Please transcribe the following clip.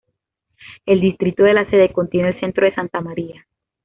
El distrito de la Sede contiene el centro de Santa Maria.